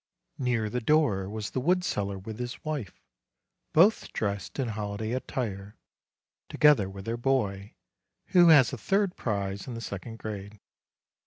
Near the door was the wood seller with his wife, both dressed in holiday attire, together with their boy, who has a third prize in the second grade.